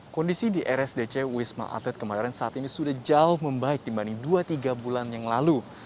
kondisi di rsdc wisma atlet kemayoran saat ini sudah jauh membaik dibanding dua tiga bulan yang lalu